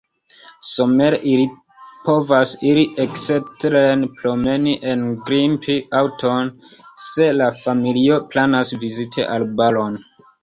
Somere ili povas iri eksteren promeni, engrimpi aŭton, se la familio planas viziti arbaron.